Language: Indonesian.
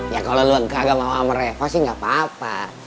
ya kalau lo kagak mau sama mereka sih nggak apa apa